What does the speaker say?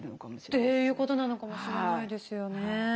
っていうことなのかもしれないですよね。